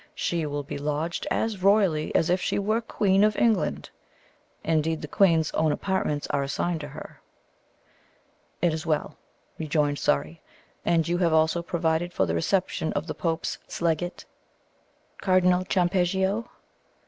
"She will be lodged as royally as if she were Queen of England. Indeed, the queen's own apartments are assigned her." "It is well," rejoined Surrey. "And you have also provided for the reception of the Pope's legate, Cardinal Campeggio?"